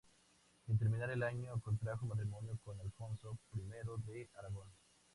Sin terminar el año contrajo matrimonio con Alfonso I de Aragón.